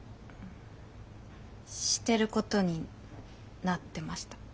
してることになってました。